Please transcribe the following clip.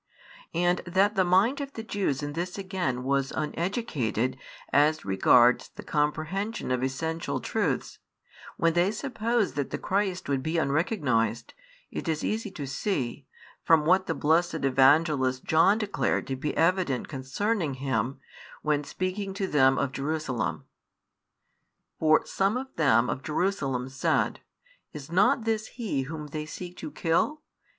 And that the mind of the Jews in this again was uneducated as regards the comprehension of essential truths, when they supposed that the Christ would be unrecognised, it is easy to see, from what the blessed Evangelist John declared to be evident concerning Him, when speaking to them of Jerusalem. For some of them of Jerusalem said, Is not this He Whom they seek to kill?